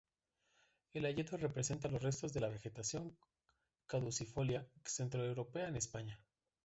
El hayedo representa los restos de la vegetación caducifolia centroeuropea en España.